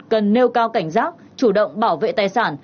cần nêu cao cảnh giác chủ động bảo vệ tài sản